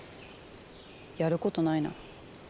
やることないな。